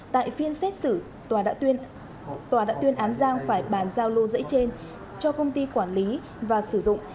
tại phiên xét xử tòa đã tuyên án giang phải bàn giao lô dãy trên cho công ty quản lý và sử dụng